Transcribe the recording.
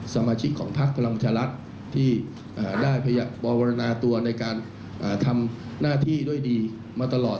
สมาชิกของพักพลังประชารัฐที่ได้บวรณาตัวในการทำหน้าที่ด้วยดีมาตลอด